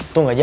tuh gak jadi